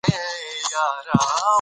هیڅ تیاره باید پاتې نه شي.